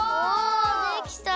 できた！